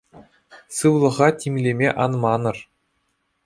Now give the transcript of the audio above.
Сывлӑха тимлеме ан манӑр.